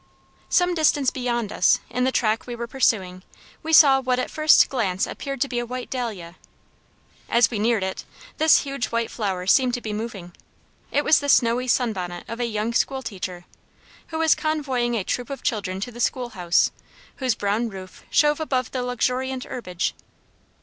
Some distance beyond us, in the track we were pursuing, we saw what at first glance appeared to be a white dahlia. As we neared it, this huge white flower seemed to be moving; it was the snowy sun bonnet of a young school teacher, who was convoying a troop of children to the school house, whose brown roof showed above the luxuriant herbage.